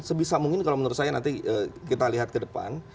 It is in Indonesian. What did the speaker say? sebisa mungkin kalau menurut saya nanti kita lihat ke depan